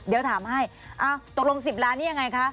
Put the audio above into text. เดี๋ยวถามให้ตกลง๑๐ล้านนี่ยังไงคะ